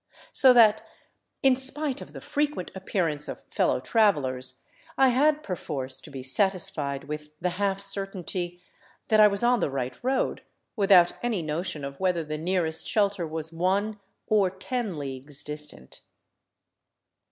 So that, in spite of the frequent appearance of fellow travelers, I had perforce to be satisfied with the half certainty that I was on the right road, without any notion of whether the nearest shel ter was one, or ten leagues distant.